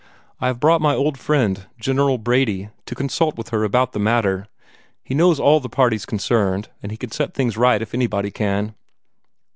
I have brought my old friend, General Brady, to consult with her about the matter. He knows all the parties concerned, and he can set things right if anybody can."